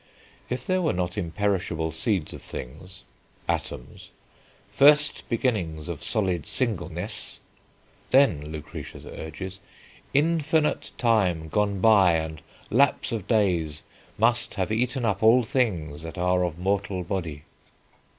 If there were not imperishable seeds of things, atoms, "first beginnings of solid singleness," then, Lucretius urges, "infinite time gone by and lapse of days must have eaten up all things that are of mortal body."